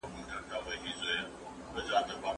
چي یې غټي بنګلې دي چي یې شنې ښکلي باغچي دي